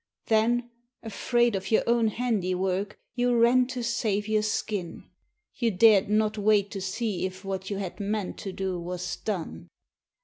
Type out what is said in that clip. Then, afraid of your own handiwork, you ran to save your skin. You dared not wait to see if what you had meant to do was done.